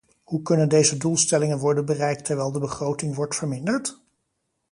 Hoe kunnen deze doelstellingen worden bereikt terwijl de begroting wordt verminderd?